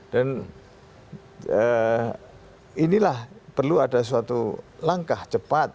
dan inilah perlu ada suatu langkah cepat